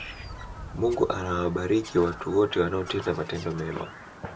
mungu anawabariki watu wote wanaotenda matendo mema